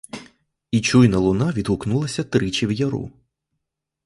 І чуйна луна відгукнулася тричі в яру.